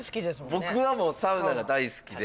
僕はもうサウナが大好きで。